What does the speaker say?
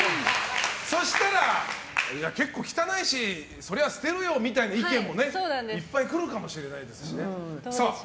そしたら、結構汚いしそりゃ捨てるでしょみたいな意見もいっぱい来るかもしれないですしね。